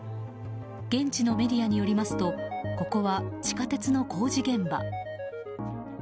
現地のメディアによりますとここは地下鉄の工事現場。